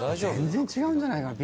全然違うんじゃないかな？